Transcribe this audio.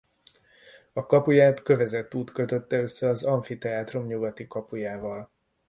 A kapuját kövezett út kötötte össze az amfiteátrum nyugati kapujával.